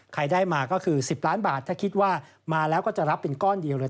ใครได้มาก็คือ๑๐ล้านบาทถ้าคิดว่ามาแล้วก็จะรับเป็นก้อนเดียวเลย